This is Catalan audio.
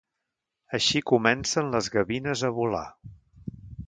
Així comencen les gavines a volar.